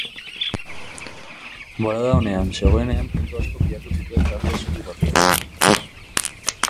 Bolada onean zegoenean puntu asko pilatu zituen talde zuri-gorriak.